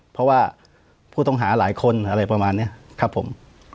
เพราะว่าผู้ต้องหาหลายคนอะไรประมาณนี้ครับผม